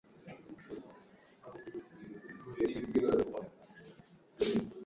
kitamaduni kitambaa cha rangi nyingi patipati za ngozi ya ngombe na fimbo ya mbao